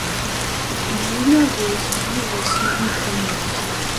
Divina Grace Yu was the Incumbent.